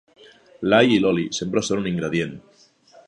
L'all i l'oli sempre són un ingredient.